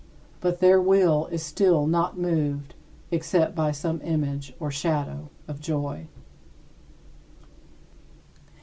But their will is still not moved except by some image or shadow of joy.